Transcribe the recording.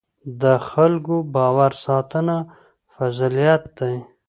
د خلکو باور ساتنه فضیلت دی.